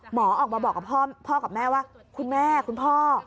หมอออกมาบอกกับพ่อกับแม่ว่าคุณแม่คุณพ่อ